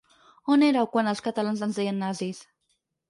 On éreu quan als catalans ens deien nazis?